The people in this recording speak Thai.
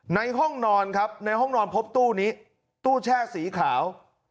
ในห้องนอนครับในห้องนอนพบตู้นี้ตู้แช่สีขาว